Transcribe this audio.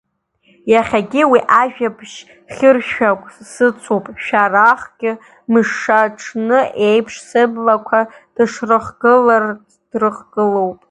Иахьагьы уи ажәабжь хьыршәагә сыцуп, Шәарахгьы мшаҽны еиԥш сыблақәа дышрыхгылац, дрыхгылоуп!